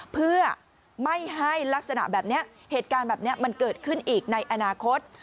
เพื่อไม่ให้ลักษณะแบบนี้เหตุการณ์แบบนี้มันเกิดขึ้นอีกในอนาคต